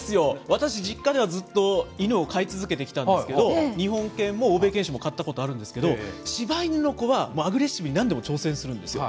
私、実家ではずっとイヌを飼い続けてきたんですけど、日本犬も欧米犬種も飼ったことあるんですけど、しば犬の子はもうアグレッシブになんでも挑戦するんですよ。